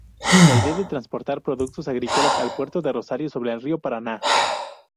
La idea de transportar productos agrícolas al puerto de Rosario sobre el Río Paraná.